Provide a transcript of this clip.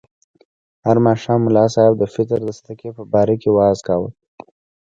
هر ماښام ملا صاحب د فطر د صدقې په باره کې وعظ کاوه.